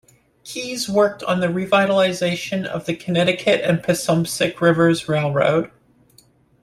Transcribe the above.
Keyes worked on the revitalization of the Connecticut and Passumpsic Rivers Railroad.